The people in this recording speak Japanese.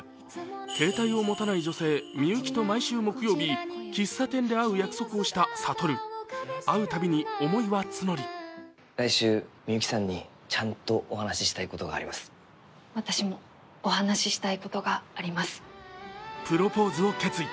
携帯を持たない女性、みゆきと毎週木曜日、喫茶店で会う約束をした悟会うたびに思いは募りプロポーズを決意。